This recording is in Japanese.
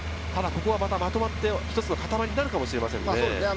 ここはまとまって一つの塊になるかもしれませんね。